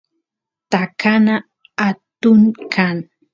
takana atun kan